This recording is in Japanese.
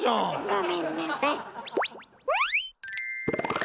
ごめんなさい。